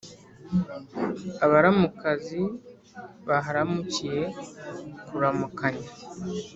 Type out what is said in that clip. Abaramukazi baharamukiye kuramukanya